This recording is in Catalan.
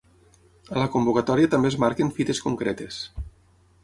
A la convocatòria també es marquen fites concretes.